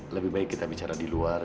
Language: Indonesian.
lebih baik kita bicara di luar